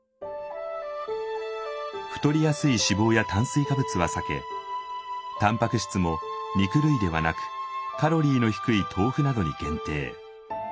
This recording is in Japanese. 太りやすい脂肪や炭水化物は避けタンパク質も肉類ではなくカロリーの低い豆腐などに限定。